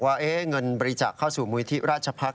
และเมื่อกลุ่มบริจาคเข้าสู่มุยที่ราชพรรค